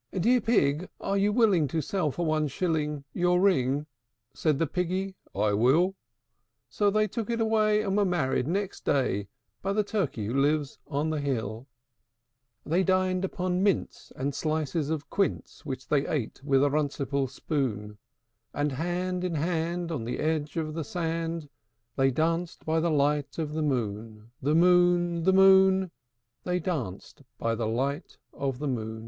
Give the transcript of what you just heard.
III. "Dear Pig, are you willing to sell for one shilling Your ring?" Said the Piggy, "I will." So they took it away, and were married next day By the Turkey who lives on the hill. They dined on mince and slices of quince, Which they ate with a runcible spoon; And hand in hand, on the edge of the sand, They danced by the light of the moon, The moon, The moon, They danced by the light of the moon.